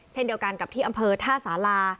เช่นเดียวกันกับที่อำเภอท่าสารา